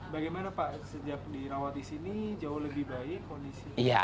bagaimana pak sejak dirawat di sini jauh lebih baik kondisi